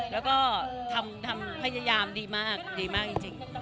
แล้วก็ทำพยายามดีมากดีมากจริง